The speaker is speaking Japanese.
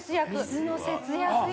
水の節約や。